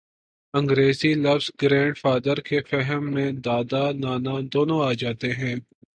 انگریزی لفظ grandfather کے فہم میں دادا، نانا دونوں آ جاتے ہیں۔